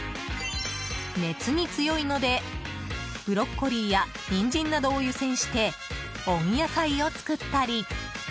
熱に強いので、ブロッコリーやニンジンなどを湯せんして温野菜を作ったり。